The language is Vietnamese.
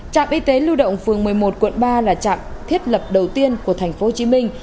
trạm y tế lưu động phường một mươi một quận ba là trạm thiết lập đầu tiên của thành phố hồ chí minh